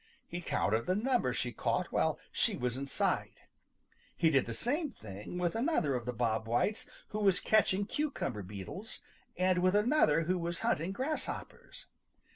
He counted the number she caught while she was in sight. He did the same thing with another of the Bob Whites who was catching cucumber beetles, and with another who was hunting grasshoppers.